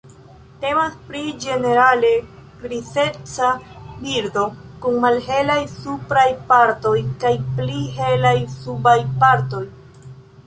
Temas pri ĝenerale grizeca birdo kun malhelaj supraj partoj kaj pli helaj subaj partoj.